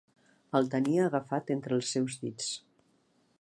El tenia agafat entre els seus dits.